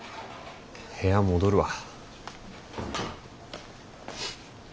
部屋戻るわ。